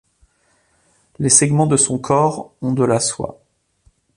Les segments de son corps ont de la soie.